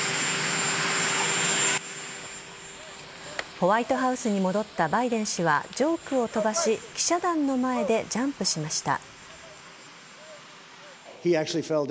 ホワイトハウスに戻ったバイデン氏はジョークを飛ばし記者団の前でジャンプしました。